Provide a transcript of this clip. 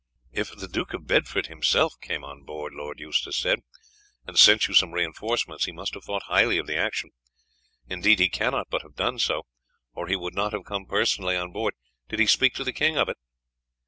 "If the Duke of Bedford himself came on board," Lord Eustace said, "and sent you some reinforcements, he must have thought highly of the action; indeed he cannot but have done so, or he would not have come personally on board. Did he speak to the king of it?"